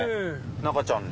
『中ちゃん』で。